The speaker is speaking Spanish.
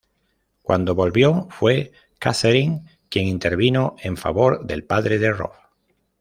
Cuando volvió, fue Katherine quien intervino en favor del padre de Rob.